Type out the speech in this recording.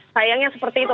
sayangnya seperti itu